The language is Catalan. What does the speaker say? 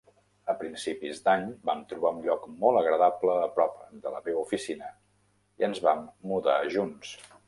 A principis d'any, vam trobar un lloc molt agradable a prop de la meva oficina i ens vam mudar junts.